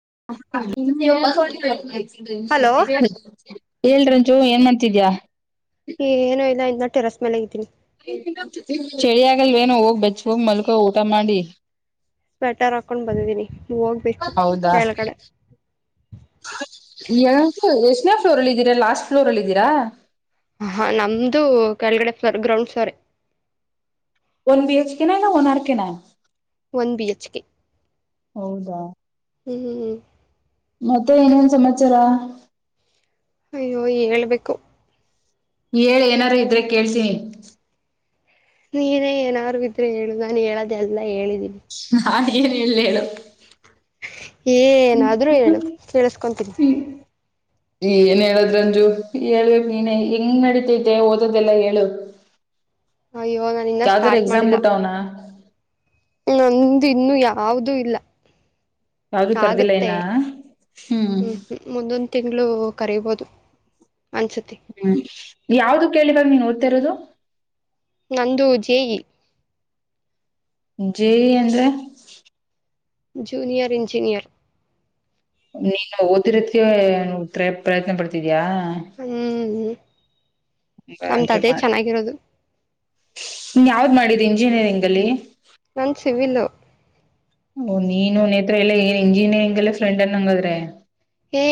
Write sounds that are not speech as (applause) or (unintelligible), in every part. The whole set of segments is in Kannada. (inaudible) (inaudible) ಹಲೋ ಹೇಳ ರಂಜು ಏನ್ ಮಾಡ್ತಿದ್ಯಾ ಏನು ಇಲ್ಲ ಇನ್ನ ಟೆರಸ್ ಮೇಲೆ ಇದ್ದೀನಿ ಚಳಿ ಆಗಲ್ವೇನ ಹೋಗಿ ಬೆಚುಗೆ ಹೋಗ ಮಲ್ಕೋ ಊಟ ಮಾಡಿ ಸ್ವೆಟರ್ ಹಾಕೊಂಡ್ ಬಂದಿದ್ದೀನಿ ಹೋಗ್ಬೇಕು ಹೌದಾ ಕೆಳಗಡೆ ಯ ಎಷ್ಟನೇ ಫ್ಲೋರ್ ಅಲ್ಲಿ ಇದಿದ್ದೀರಾ ಲಾಸ್ಟ್ ಫ್ಲೋರ್ ಅಲ್ಲಿ ಇದಿದ್ದೀರಾ ಹ ಹ ನಮ್ದು ಕೆಳಗಡೆ ಫ್ಲೋರ್ ಗ್ರೌಂಡ್ ಫ್ಲೋರೆ ಟೂ ಬಿ ಹೆಚ್ ಕೆ ನ ಇಲ್ಲ ಒನ್ ಆರ್ ಕೆ ನ ಒನ್ ಬಿ ಎಚ್ ಕೆ ಹೌದಾ ಹ್ಮ್ ಹ್ಮ್್ಮ ಮತ್ತೆ ಏನೇನು ಸಮಾಚಾರಾ ಅಯ್ಯೋ ಹೇಳ್ಬೇಕು ಏ ಏನಾರು ಇದ್ರೆ ಕೇಳ್ತೀನಿ ನೀನೇ ಏನಾದ್ರೂ ಇದ್ರೆ ಹೇಳು ನಾನು ಹೇಳೋದೆ ಎಲ್ಲ ಹೇಳಿದ್ದೀನಿ ನಾನ್ ಏನ್ ಹೇಳಿ ಹೇಳು ಏನಾದ್ರೂ ಆದ್ರು ಹೇಳು ಕೇಳಸ್ಕೊಂತೀನಿ ಏನ್ ಹೆಲ್ಡ್ರಾಂಜು ಹೇಳಳ್ಬೇಕ ನೀನೆ ಹೆಂಗ್ ನಡತೈತೆ ಓದದೆಲ್ಲ ಹೇಳು ಅಯ್ಯೋ ನಾನು ಇನ್ನ ಯಾವ್ದರ ಎಕ್ಸಾಮ್ ಬಿಟ್ವಾನ ನಮ್ಮದು ಇನ್ನು ಯಾವ್ದೂ ಇಲ್ಲ ಯಾವ್ದು ಕರ್ದಿಲ್ಲ ಆಗತ್ತೆ ಇನ್ನ ಹ್ಮ್ ಮುಂದಿನ ತಿಂಗಳು ಕರಿಬೋದು ಅನ್ಸುತ್ತೆ ಹ್ಮ್ ಯಾವ್ದು ಕೇಳಿ ಈವಾಗ ನೀ ಓದ್ತಿ ತಿರೋದು ನಂದೂ ಜೆಇ ಜೆಇ ಅಂದ್ರೆ ಜೂನಿಯರ್ ಎಂಜಿನಿಯರ್ ನೀನು ಓದತಿರೋದಕ್ಕೆ ಪ್ರಯತ್ನ ಪಡ್ತಿನಿ ಯಾ ನಮ್ದ ಅದೇ ಚೆನ್ನಾಗಿರೋದು ನೀ ಯಾವ್ದ್ ಮಾಡಿದ ಇಂಜಿನಿಯರಿಂಗ್ ಅಲ್ಲಿ ನನ್ ಸಿಿವಲ ಓ ನೀನು ನೇತ್ರ ಎಲ್ಲ ಏನ್ ಇಂಜಿನಿಯರಿಂಗ್ಲ್ಲ ಫ್ರೆಂಡ್ ಅನ್ ಹಂಗಾದ್ರೆ ಏ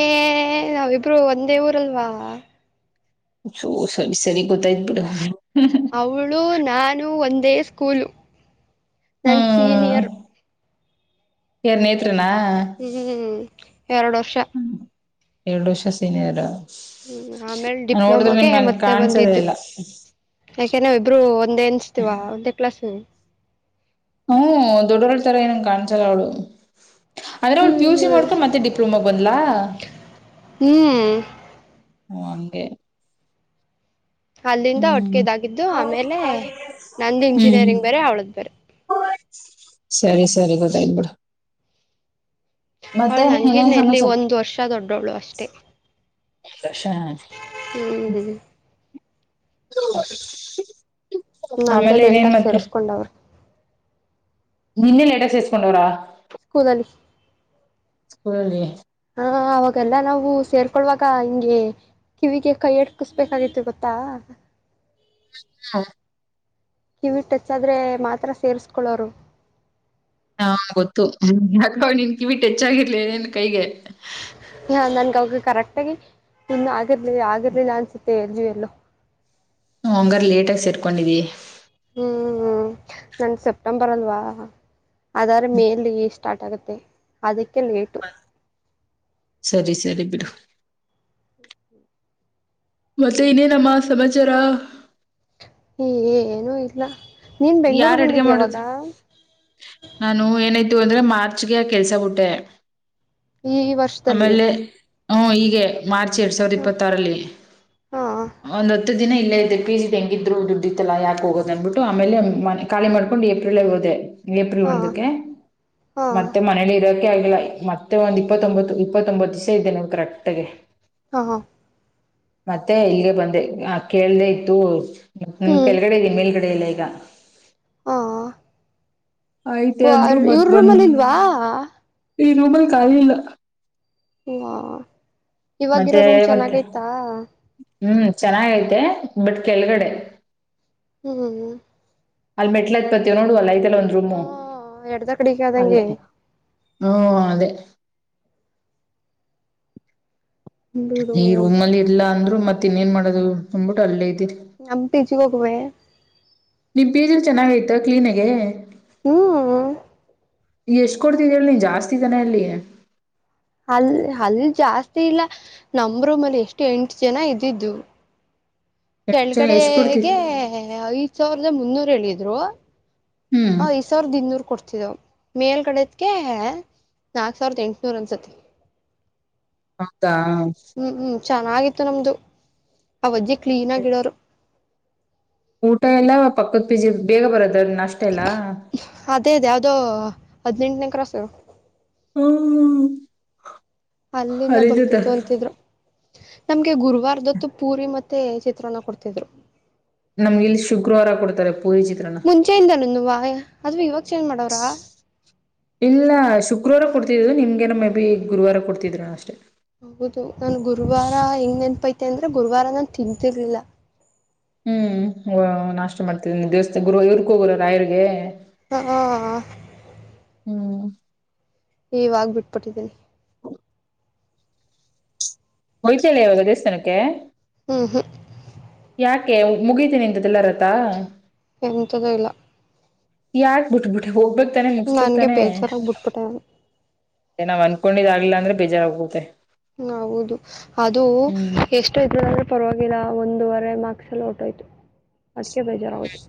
ನಾವಿಬ್ರು ಒಂದೇ ಊರಲ್ವಾ ಸೋ ಸರಿ ಸರಿ ಗೊತ್ತಾಯ್ತ್ ಬಿಡ ಅವಳು ನಾನು ಒಂದ ದೇ ಸ್ಕೂಲು ನನ್ ಸೀನಿಯರ್ ಯಾರ ನೇತ್ರರುನಾ ಹ್ಮ್ ಹ್ಮ್್ಮ ಎರಡು ವರ್ಷ ಎರಡು ವರ್ಷ ಸೀನಯಾರ ಹ್ಮ್ ಆಮೇಲೆ ಡಿಪ್ಲೊಮಾಗೆ ಮತ್ತೆ ಕಾಣ್ಸದೇ ಬಂದಿದ್ದು ಇಲ್ಲ ನಾವಿಬ್ರು ಒಂದೆ ಅನಸ್ತೀವ ಒಂದೇ ಕ್ಲಾಸ್ ಹ್ಮ್ ದೊಡ್ಡ ಹೊಡ್ತಾರೆ ಏನ ಕಾಣಸಲ್ಲ ಅವಳು ಅಂದ್ರೆ ಅವಳ ಪಿ ಯು ಸಿ ಮಾಡ್ಕೊಂಡು ಹ್ಮ್ ಮತ್ತೆ ಡಿಪ್ಲೊಮಾಗ ಬಂದ್ಲ ಒ ಅಂಗೆ ಅಲ್ಲಿಂದ ಒಟ್ಟಿಗೆ ಇಗಿದ್ದು ಆಮೇಲೆ ನಂದು ಹ್ಮ್ ಇಂಜಿನಿಯರಿಂಗ್ ಬೇರೆ ಅವಳದ ಬೇರೆ ಸರಿ (inaudible) ಮತ್ತೆ ಅವಳು ಇನ್ನೇನ್ ನಂಗಿನ ಎಲ್ಲಿ ಸಮಾಚಾರ ಒಂದ್ ವರ್ಷ ದೊಡ್ಡವಳು ಅಷ್ಟೆ ಹ್ಮ್್ಮ (inaudible) ಹ್ಮ ಅಂದ ಆಮೇಲೆ ಇನ್ನೇನ್ ಲೇಟ್ಗ ಮತ್ತೆ ಸೇರಿಸಸ್ಕೊಂಡವ್ರಿ ಇನ್ನೆ ಎಡಾ ಸೇಸ್ಕೊಂಡವರಾ ಸ್ಕೂಲ ಅಲ್ಲಿ ಸ್ಕೂಲಲ್ಲಿ ಹ ಅವಾಗೆಲ್ಲ ನಾವು ಸೇರ್ಕೊೊಳ್ಳುವಾಗ ಹಿಂಗೆ ಕಿವಿಗೆ ಕೈ ಎಡ್ಕಿಸ್ಬೇಕಾಗಿತ್ತು ಗೊತ್ತಾ ಹಾ ಕಿವಿ ಟಚ್ ಆದ್ರೆ ಮಾತ್ರ ಸೇರ್ಸ್ಕೊಳ್ಳೋರು ಹಾ ಗೊತ್ತು ಹಾಕ್ಬಾವ ನೀನ್ ಕಿವಿಟ್ಟ ಹೆಚ್ಚಾಗಿರ್ಲಿ ನ್ ಕೈಗೆ ಹ ನನ್ ಕ ಕರೆಕ್ಟ್ ಆಗಿ ಇನ್ನು ಆಗಿರ್ಲಿ ಆಗಿರ್ಲಿಲ್ಲ ಅನ್ಸುತ್ತೆ ಜ ಎಲ್ಲೋ ಹ ಹಂಗಾರ ಲೇಟ್ ಆಗ ಸೇರ್ಕೊಂಡಿದಿ ಹ್ಮ್ ಹ್ಮ್ ನನ್ನು ಸೆಪ್ಟೆಂಬರ್ ಅಲ್ವಾ ಅದ್ರ ಮೇಲೆ ಇಷ್ಟ ಸ್ಟಾಟ ಆಗುತ್ತೆ ಅದ ಸರಿ ಸರಿ ಬಿಡು ಮತ್ತೆ ಇನ್ನೇ ನಮ್ಮ ಸಮಾಚಾರ ಏ ಏನೂ ಇಲ್ಲ ನೀನ್ ಬೆಂಗ್ಳೂರ್ ಯಾರ್ ಅಡ್ಗೆ ಬಂದಿದ್ಯ ಅವಾಗ ಮಾಡುದು ನಾನು ಏನ ಇ ಅಂದ್ರೆ ಮಾರ್ಚ್ಗೆ ಕೆಲ್ಸ ಬುಟ್ಟೆ ಈ ವರ್ಷದಲ್ಲಿ ಹ್ಮ ಈಗೆ ಮಾರ್ಚ್ ಎರಡ್ ಸಾವಿರದ ಹ ಇಪ್ಪತ್ತಾರಲ್ಲಿ ಹಾ ಒಂದತ್ತು ದಿನ ಇಲ್ಲ ಇದು ಪಿಜಿ ಹೆಂಗಿದ್ರು ದುಡ್ಡಿ ಇತ್ತಲ್ಲ ಯಕೆ ಹೋಗೋದ ಅಂದು ಬಿಟ್ಟು ಆಮೇಲೆ ಮನೆ ಖಾಲಿ ಮಾಡ್ಕೊಂಡು ಏಪ್ರಿಲ್ ಹೋದೆ ಏಪ್ರಿಲ್ ಹಾ ಒಂದಕ್ಕೆ ಹಾ ಮತ್ತೆ ಮನೇಲಿ ಇರೋ ಆಗಿಲ್ಲ ಮತ್ತೆ ಒಂದ್ ಇಪ್ಪತ್ತೊಂಬತ್ತು ಇಪ್ಪತ್ತೊಂಬತ್ತು ದಿವಸ ಇದ್ದೇನೆ ಕರೆಕ್ಟ್ಗೆ ಹಾ ಮತ್ತೆ ಈಗ ಬಂದೆ ಆ ಕೇಳ್ದೆ ಇತ್ತು ನ್ ಹ್ಮ್ ಕೆಳಗಡೆ ಇದೀನ ಮೇಲೆ ಲೇಗ ಹಾ ಆಯ್ತೆ ಅಂದ್ರು ಮತ್ ಇವ್ರ ಬಂದ್ ರೂಮಲ್ಲಿ ಇಲ್ವಾ ಈ ರೂಮ್ಲ್ ಖಾಲಿ ಇಲ್ಲ ಹ ಮತ್ತೆ ಇವರೋ ರೂಮ್ ಚೆನ್ನಾಗಿತ್ತಾ ಚೆನ್ನಾಗ ಐತೆ ಬಟ್ ಕೆಲ್ಗಡೆ ಹ್ಮ್ ಹ್ಮ್ಮ ಅಲ್ ಮೆಟ್ಲಾ ಹತ್ತವ ನೋಡು ಹ ಎಡ್ದ ಕಡೆಗೆ ಆದಂಗೆ ಅಲ್ಲೇ ಹ್ಮ ಅದೇ ಬಿಡು ಈ ರೂಮ್ಲ್ಲಿ ಇರ್ಲ್ಲಾ ಅಂದ್ರು ಮ ಇನ್ನೇನು ಮಾಡೋದು ಒಂದು ಬಿಟ್ಟು ಅಲ್ಲೇ ಇದ್ದೀರಿ ನಮ್ ಪಿಜಿ ಹೋಗುವೆ ನಿಮ್ ಪಿಜಿ ಚೆನ್ನಾಗತೆ ಕ್ಲೀನಾಗೆ ಹ್ಮ್ ಎಷ್ಟ ಕೊಡ್ತಿದ್ದ ಎಳ ನೀನ್ ಜಾಸ್ತಿ ಜನ ಎಲ್ಲಿ ಅಲ್ಲಿ ಅಲ್ಲಿ ಜಾಸ್ತಿ ಇಲ್ಲ ನಮ್ರೂ ರೂಮಲ್ಲಿ ಎಷ್ಟು ಎಂಟು ಜನ ಇದ್ದಿದ್ದು ಎಷ್ಟ್ ಎಷ್ಟ್ ಕೊಡ್ತಿ ಕೆಳ್ಕಡೆಗೆ ಸಾವಿರದ ಮುನ್ನೂರ ಹೇಳಿದ್ರು ಹ್ಮ್ ಹ ಐದ ಸಾವಿರದ ಇನ್ನೂರ್ ಕೊಡ್ತಿದ್ದವು ಮೇಲ್ಗಡೆದ್ಕ ನಾಕ ಸಾವಿರದ ಎಂಟನೂರ್ ಅನ್ಸುತ್ತೆ ಹಾ ಸಾ (inaudible) ಚೆನ್ನಾಗಿತ್ತು ನಮ್ದು ಆ ಅಜ್ಜಿ ಕ್ಲೀನ್ ಆಗಿಡೋರು ಊಟ ಎಲ್ಲ ಪಕ್ಕದ ಪಿಜಿ ಬೇಗ ಬರತ್ತದು ಅ್ರ ಅಷ್ಟೇ ಅಲ್ಲ ಅದೇ ಅದೆೇ ಯಾವ್ದೋ ಹದನೆಂಟನೇ ಕ್ರಾಸ್ ಹ್ಮ್ ಹ್ಮ್ ಅಲ್ಲಿಂದ ಬರ್ತಿತ್ತು ಅಂತಿದ್ರು ನಮ್ಗೆ ಗುರುವಾರದೊತ್ತು ಪೂರಿ ಮತ್ತೆ ಚಿತ್ರಾನ್ನ ಕೊಡ್ತಿದ್ರು ನಮ್ಗೆ ಇಲ್ಲಿ ಶುಕ್ರವಾರ ಕೊಡ್ತಾರೆ ಪೂರಿ ಚಿತ್ರನ ಮುಂಚೆಯಿಂದನೂವ ಅದು ಇವಾಗ ಚೇಂಜ್ ಏನ್ ಮಾಡೋರಾ ಇಲ್ಲ ಶುಕ್ರವಾರ ಕೊಡ್ತಿದ್ದುದು ನಿಮ್ಗೆನ ಮೇ ಬಿ ಗುರುವಾರ ಕೊಡ್ತಿದ್ರ ಅಷ್ಟೇ ನಾನನ್ ಗುರುವಾರ ಹೆಂಗ್ ನೆನಪೈತೆ ಅಂದ್ರೆ ಗುರುವಾರ ನಾನು ತಿನತಿರ್ಲಿಲ್ಲ ಹ್ಮ್ ನಾಷ್ಟ ಮಾಡ್ತಿದ ದೇವಸ್ಥಾನ ಗುರು ಇವ್ರಗ ಹೋಗರ ರಾಯರ್ಗೆ ಹ ಹಾ ಹ್ಮ್ ಇವಾಗ ಬಿಟ್ಬಟ್ಟಿದ್ದೀನಿ (unintelligible) ಇವಾಗ ದೇಸ್ಥಾನಕ್ಕೆ ಹ್ಮ್ ಹ್ಮ್ ಯಾಕೆ ಮುಗಿತೀನಿ ಇಂತ್ದಲ್ಲಾರ ವ್ರತ್ತಾ ಎಂತದೂ ಇಲ್ಲ ಯಾಕರ್ಬುಟ್ಬ ಬಿಟ್ಟ ಹೋಗ್ಬೇಕು ಮುಗಸ್ಬೇಕಕ್ ನನ್ಗೆ ತಾನೆ ಬೇಜಾರಾಗಿ ಬಿಟ್ಬಿಟ್ಟೆ ನಾವ್ ಅನ್ಕೊಂಡಿದ್ ಆಗ್ತಿಲ್ಲ ಅಂದ್ರೆ ಬೆಜಾರ ಆಗುತ್ತೆ ಹ ಹೌದು ಅದು ಎಷ್ಟು ಇದ್ರ ಪರವಾಗಿಲ್ಲ ಒಂದೂವರೆ ಮಾರ್ಕ್ಸಲ್ಲಿ ಹೊರಟ್ ಹೋಯ್ತು ಅದಕ್ಕೆ ಬೇಜಾರಾಗೋತು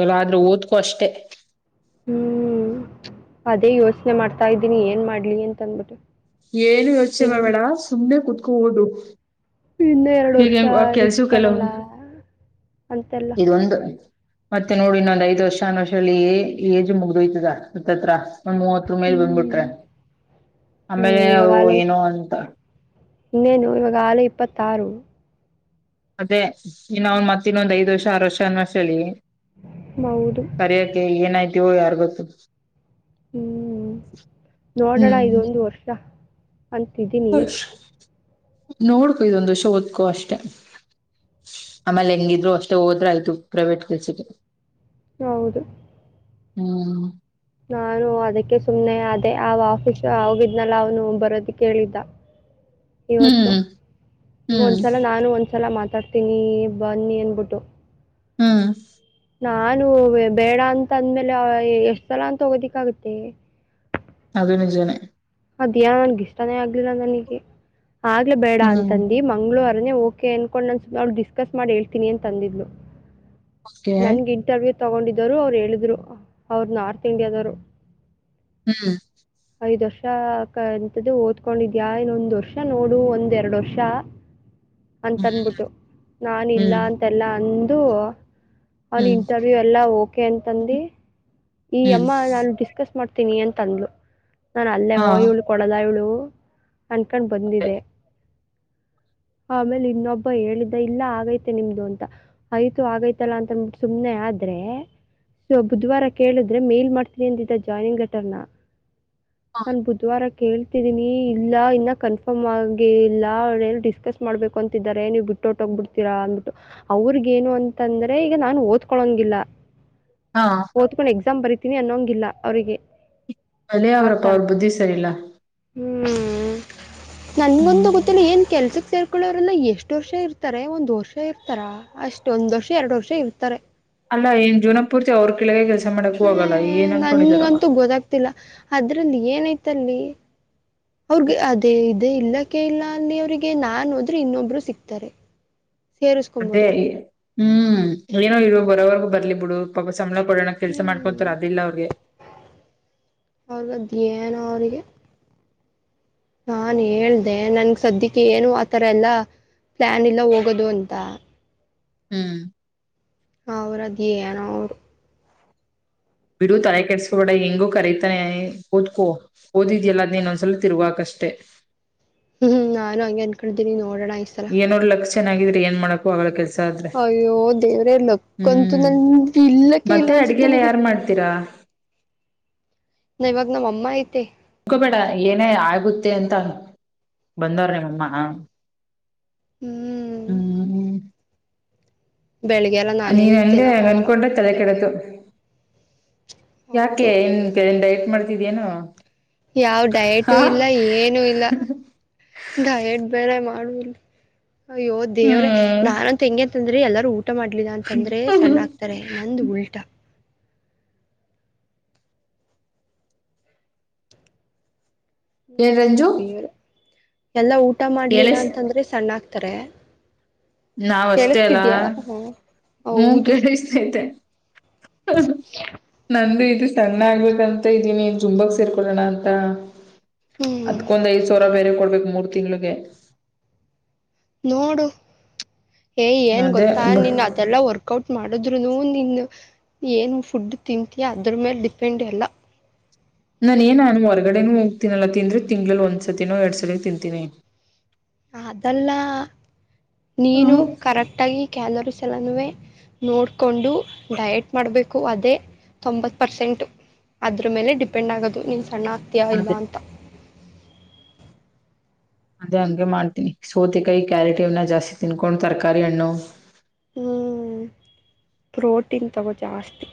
ಲ್ಲ ಆದ್ರೂ ಓದ್ಕೋ ಅಷ್ಟೇ ಹ್ಮ್ ಅದೇ ಯೋಚನೆ ಮಾಡ್ತಾದೀನಿ ಏನ್ ಮಾಡ್ಲಿ ಅಂತ ಅಂದಬಿಟ್ಟು ಏನು ಯೋಚನೆ ಮಾಡ ಬೇಡ ಸುಮನೆ ಕುತ್ಕೋ ಓದು ಇನ್ನ ಎರಡ್ ವರ್ಷ ಹೀಗೆಂಗ ಕೆಲ್ಸ ರಿಸ್ಕ್ ಕೆಲವು ತಗೊಳ್ಳ ಅಂತೆಲ್ಲ ಇದೊಂದು ಮತ್ತೆ ನೋಡಿ ನಂದ್ ಐದ್ ವರ್ಷ ಅನ್ ಅಷ್ಟರಲ್ಲಿ ಏಜ್ ಮುಗ್ದೋಯ್ತದ ಹತತ್ರ ಒಂದ್ ಮೂವತ್ತರ ಮೇಲೆ ಹ್ಮ್. ಬಂದ್ಬಿಟ್ರೆ ಅಯ್ಯೋ ಆಮೇಲೆ ಇವಾಗ ಅವು ಆಲೆ ಏನು ಅಂತ ತ್ತಾರು ಅದೇ ಇನ್ನ ಅವನ್ ಮತ್ತ ಇನ್ನೊಂದ್ ಐದ್ ವರ್ಷ ಆರ ವರ್ಷ ಅನ್ನುವಷ್ಟರಲ್ಲಿ ಹೌದು ಸರೆಯಕ್ಕೆ ಏನಾಯ್ತು ತಿವೋ ಯಾರಿಗ್ ಗೊತ್ತು ಹ್ಮ್ ನೋಡೋಣ ಹ್ಮ್ ಇದೊಂದು ವರ್ಷ ಅಂತಿದ್ದೀನಿ ನೋಡ್ಕು ಇದೊಂದು ವರ್ಷ ಓದ್ಕೊ ಅಷ್ಟೆ ಆಮೇಲೆ ಹೆಂಗಿದ್ರು ಅಷ್ಟೆ ಹೋದ್ರ ಆಯ್ತು ಪ್ರೈವೇಟ್ ಕೆಲ್ಸಕ್ಕೆ ಹೌದು ಹ್ಮ್ ನಾನು ಅದಕ್ಕೆ ಸುಮ್ನೆ ಆದೇ ಅವ ಆಫೀಸ್ ಹೋಗಿದ್ನಲ್ಲ ಅವನು ಬರೋದಕೇಳಿದ್ದ ಇವತ್ತು ಹ್ಮ್ ಹ್ಮ್ ಒಂದ್ಸಲ ನಾನು ಒಂದ್ಸಲ ಮಾತ ಮಾತಾಡ್ತೀನಿ ಬನ್ನಿ ಅನ್ಬಿಟ್ಟು ಹ್ಮ್ ನಾನು ಬೇಡ ಅಂತ ಅಂದ್ಮೇಲೆ ಎಷ್ಟ ಸಲ ಅಂತ ಹೋಗೋದಿಕ್ಕ ಆಗತ್ತೆ ಅದು ನಿಜನೆೇ ಅದ ಯಾನ್ ಗೀಷ್ಟಾನೇ ಆಗ್ಲಿಲ್ಲ ನನಗೆ ಆಗ್ಲ ಬೇಡ ಹ್ಮ್ ಅಂತಂದು ಮಂಗ್ಳೂರ್ ಓಕೆ ಅನ್ಕೊಂಡ್ ನಾನು ಸುಮ ಅವ್ಳ ಡಿಸ್ಕಸ್ ಮಾಡಿ ಹೇಳ್ತೀನಿ ಅಂತಂದಿದ್ಲು ಓಕೆ ನನ್ಗ ಇಂಟರ್ವ್ಯೂ ತೊಗೊಂಡಿದ್ದರು ಅವ್ರು ಹೇಳಿದರು ಅವ್ರು ನಾರ್ತ್ ಇಂಡಿಯಾದವರು ಹ್ಮ್ ಐದ್ ವರ್ಷಕ ಅಂತದು ಓದ್ಕೊಂಡಿದ್ಯಾ ಇನ್ನೊಂದ್ ವರ್ಷ ನೋಡು ಒಂದೆರಡ ವರ್ಷ ಹ್ಮ್ ಅಂತನ್ಬಿಟ್ಟು ನಾನ್ ಇಲ್ಲ ಹ್ಮ್ ಅಂತೆಲ್ಲಾ ಅನ್ ದು ಅವ್ನ್ ಹ್ಮ್ ಇಂಟರ್ವ್ಯೂ ಎಲ್ಲಾ ಓಕೆ ಅಂತಂದಿ ಈ ಹ್ಮ್ ಅಮ್ಮ ನಾನು ಡಿಸ್ಕಸ್ ಮಾಡ್ ತಿನಿಯನ್ ತಂದಲು ನಾನ್ ಅಲ್ಲೇ ಹಾ ವೋ ಇವಳು ಕೊಡಲ್ಲ ಇವ್ಳು ಅನ್ಕಂಡ ಅದೇ. ಬಂದಿದೆ ಆಮೇಲೆ ಇನ್ನೊಬ್ಬ ಹೇಳಿದ್ದ ಇಲ್ಲ ಆಗೈತೆ ನಿಮ್ದು ಅಂತ ಆಯ್ತು ಆಗೈತಲ್ಲಾ ಅಂತ ಸುಮ್ನೆ ಆದ್ರೆ ಬುಧವಾರ ಕೇಳಿದ್ರೆ ಮೇಲ್ ಮಾಡ್ತೀನಿ ಅಂದಿದ್ದ ಜಾಯ್ನಿಂಗ್ ಲೆಟರ್ನ ನಾನು ಬುಧವಾರಕ್ಕೆ ಕೇಳ್ತಿದೀನಿ ಇಲ್ಲ ಇನ್ನ ಕನ್ಫರ್ಮ್ ಆಗಿ ಇಲ್ಲ ಅವ್ ಡಿಸ್ಕಸ್ ಮಾಡ್ಬೇಕು ಅಂತಿದ್ದಾರೆ ನೀವು ಬಿಟ್ಟ ಹೊರಟೋಗ್ಬಿಡ್ತೀರಾ ಅನ್ಬಿಟ್ಟು ಅವ್ರಗ ಏನು ಅಂತಂದ್ರೆ ರೆ ಈಗ ನಾನು ಓದ್ಕೊಳಂಗಿಲ್ಲ ಹಾ ಒದ್ಕೊಂಡ್ ಎಕ್ಸ ಮ ಬರಿತೀನಿ ಅನ್ನೊಂಗಿಲ್ಲ ಅವರಿಗೆ ಅಲೇ ಆ ಅವರಪ್ಪ ಥರ ಅವ್ರ ಬುದ್ಧಿ ಸರಿಲ್ಲ. ಹ್ಮ್. ನನ್ಗೊಂದು ಹ್ಮ್ ಗೊತ್ತಿಲ್ಲ ಏನ್ ಕೆಲ್ಸಕ್ರ್. ಮಕ್ಕಳವ್ರನ್ನ ಎಷ್ಟು ವರ್ಷ ಇರ್ತಾರೆ ಒಂದ್ ವರ್ಷ ಇರ್ತಾರ ಅಷ್ಟ ಒಂದ್ ವರ್ಷ ಎರಡು ವರ್ಷ. ಚೀ ಇರ್ತರೆ ಅಲ್ಲ ಏನ್ ಜೀವ್ನಾಪೂರ್ತಿ ಅವ್ರ್ ಕೆಳಗೆ ಕೆಲ್ಸ್ ಹ್ಮ ನನ್ಗಂತೂ ಗೊದಾಗ್ತಿಲ್ಲಾ ಅದ್ರಲ್ಲಿ ಏನೈತ್ ತಲ್ಲಿ--ಅವ್ರಿಗ್ ಅದೇ ಇದೇ ಇಲ್ಲಕ್ಕೆ ಇಲ್ಲಾ ಅಲ್ಲಿ ಅವ್ರಿಗ್ ನಾನ್ ಹೋದ್ರೆ ಇನ್ನೊಬ್ರು ಸಿಕ್ತಾರೆ. ಅದೇ ಸೇರುಸ್ಕೊಂಬೋದು ಹ್ಮ್ ಏನೋ ಇ ಬರೋವರ್ಗ ಬರ್ಲಿ ಬಿಡು ಪಪಾ ಸಂಬ್ಳ ಕೊಡೋಣ ಕೆಲ್ಸ ಹ್ಮ್ ಮಾಡ್ಕೊತಾರ ಅದಿಲ್ಲ ಅವ್ರಿಗೆ ಅವ್ರಗದ್ ಏನೋ ಅವರಿಗೆ. ನಾನ್ ಹೇಳ್ದೆ ನನ್ಗೆ ಸದ್ಯಕ್ಕೆ ಏನೂ ಆತರ ಎಲ್ಲಾ ಪ್ಲಾನ್ ಇಲ್ಲಾ ಹೋಗೋದು ಅಂತಾ ಹ್ಮ್್ಮ್ಮ. ಅವ್ರ್ ಅದೇನೋ ಅವ್ರ್ ಬಿಡು ತಲೆ ಕೆಡ್ಸ್ಕಬೇಡ ಹೆಂಗೋ ಕರೀತಾನೆ ಓದ್ಕೋ ಓದಿದ್ಯಲ್ಲ ಅದ್ನ್ ನೋಂದ್ಸಲಿ ತಿರ್ವಾಕ್ ಅಷ್ಟೆ ಹ್ಮ್ ನಾನು ಹಂಗೆ ಅನ್ಕೊಂಡ್ದೀನಿ ನೋ ಡಣ ಈ ಸಲ ಏನೋರ್ ಲಕ್ ಚೆನ್ನಾಗಿದ್ರೆ ಏನ್ ಮಾಡಕ್ಕೂ ಆಗಲ್ಲ ಕೆಲ್ಸ್ ಅಯ್ಯೋ ದೇವ್ರೆ ಲಕ್ಕಂತು ಹ್ಮ್ ನನ್ಗ್ ಇಲ್ಲಕ್ಕೆ ಮತ್ತೆ ಇಲ್ಲಾ ಅನ್ಸುತ್ ಅಡ್ಗೆಲ್ಲ ನನಿಗೆ ಯಾರ್ ಮಾಡ್ತೀರಾ ನವಿ ಗ್ ಇವಾಗ್ ನಮ್ಮ ಅಮ್ಮ ಈತೆೆ ಹಕೋಬೇಡ ಏನೇ ಆಗುತ್ತೆ ಅಂತ ಬಂದವ್ರಮ್ಮ ಹ್ಮ್ ಹ್ಮ್ ಹ್ಮ್್ಮ್ಮ. ಬೆಳಿಗ್ಗೆ ಎಲ್ಲ ನೀನ್ ನಾನೇನ್ ಹಂಗೆ ತಿನ್ನಕ್ ಹೋಗಲ್ಲ ಅನ್ಕೊಂಡ್ರೆ ತಲೆ ಕೆಡದು. (unintelligible) ಹೌದು ಯಾಕ್ಕ್ಲೆ ಏನ್. ಮಾಡ್ತಿದ್ಯೇನು. ಯಾವ್ ಡಯಟು ಹಾ ಇಲ್ಲಾ ಏನೂ ಇಲ್ಲಾ ಹ್ಮ್ ಡಯಟ್ ಬೇರೆ ಮಾಡ್ ಅಳುಲ್ ಅಯ್ಯೋ ದೇವ್ರೇ ನಾನಂತು ಹೆಂಗೆ ಅಂತಂದ್ರೆ ಆದ್ರೆ ಎಲ್ಲರೂ ಊಟ ಮಾಡ್ಲಿಲ್ಲ ಅಂತಂದ್ರೆ ಹ್ಮ್ ಸಣ್ಣ ಆಕ್ತಾರೆ ನಂದ್ ಉಲ್ಟಾ ಏನ್ ಅಯ್ಯೇ ರಂಜು ದೇವ್ರೇ ಎಲ್ಲಾ ಊಟ್ ಊಟ ಮಾಡ್ಲಿಲ್ಲ ಕೇಳಿಸ್ ಅಂತಂದ್ರೆ ಸಣ್ಣ ತರೇ ನಾವ್ ಅಷ್ಟೇ ಅಲ್ಲಾ ಹ್ಞೂ ಹೌದು ಕೇಳಿಸ್ತೈತೆ ಹ ನಂದು ಇದು ಸಣ್ಣ ಆಗ್ಬೇಕಂತ ಇದೀನಿ ಜುಂಬಕ್ ಸೇರ್ಕೊಳ್ಳೋಣ ಅಂತ ಹ್ಮ್ ಅದ್ಕೊಂದ್ ಐದು ಸಾವ್ರಾ ಬೇರೆ ಕೂಡ್ ಮೂರು ತಿಂಗಳಿಗೆ. ನೋಡು. ಏ ಏನ್ ಅದೇ ಗೊತ್ತಾ ನೀನು ಅದೆಲ್ಲ ವರ್ಕ್ಔಟ್ ಮಾಡಿದ್ರುನು ನಿನ್. ಏನು ಫುಡ್ ತಿಂತೀಯಾ ಅದ್ರ ಮೇಲ್ ಡಿಪೆಂಡ್ ಎಲ್ಲ. ನಾನೇನ್ ನಾನು ಹೊರ್ಗಡೆನೂ ಹೋಗ್ತೀನಲ್ಲ ತಿಂಗಳಲ್ಲಿ ಒಂದ್ಸತಿನೋ ಎರಡ್ ಸಲಿನೋ ತಿಂತೀನಿ. ಅದೆಲ್ಲ. ನೀನು ಕರೆಕ್ಟ್ ಆಗಿ ಕ್ಯೆಲೊರಿಸ್. ನ್ನೆಲ್ಲಾ ನುವ್ವೆ ಸಲೇ ನೋಡ್ಕೊಂಡು ಡಯೆಟ್ ಮಾಡಬೇಕು ಅದೇ ತೊಂಬತ್ತು ಪರ್ಸೆಂಟ್ ಅದ್ರ ಮೇಲೆ ಡಿಪೆಂಡ್ ಆಗೋದು ಮೀನ್ಸ್. ಸಣ್ಣ ಆಗ್ತೀಯಾ ಇಲ್ಲ ಅದೇ ಅಂತ. ಅದೇ ಹಂಗೆ ಮಾಡ್ತೀನಿ ಸೋತೆಕಾಯಿ ಕ್ಯಾರೆಟ್ ಇವ್ನ ಜಾಸ್ತಿ ತಿನ್ಕೊಂಡು ತರಕಾರಿ ಹಣ್ಣು. ಹ್ಮ ಪ್ರೋಟೀನ್ ತಗೊ ಜಾಸ್ತಿ.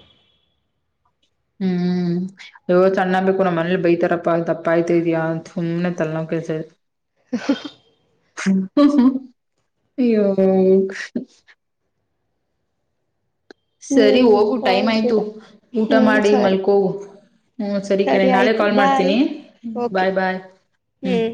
ಹ್ಮ್ ಅಯ್ಯೋ ಸಣ್ಣಾಗ್ಬೇಕು ನಮ್ಮ ಮನೆಲಿ ಬೈತಾರಪ್ಪ ದಪ್ಪ ಅಯ್ತಿದೀಯ ಅಂತ ಸುಮ್ನೆ ತಲ್ನವ್ ಕೆಲಸಾ ಇದು. ಹ ಹ ಹ. ಅಯ್ಯೋ. ಸರಿ ಹೋಗು ಏನಪ್ಪಾ ಟೈಮ್ ಅದು ಆಯ್ತು ಬೇರೆ ಊಟ ಹ್ಞೂ ಮಾಡಿ ಸರಿ ಮಲ್ಕೋ. ಹ್ಮಸರಿ ಕಣೆ ಸರಿ ನಾಳೆ ಆಯಿತು ಕಾಲ್ ಬಾಯ್ ಮಾಡ್ತೀನಿ ಓಕೆ ಬಾಯ್ ಬಾಯ್ ಹ್ಮ್. ಹ್ಞೂ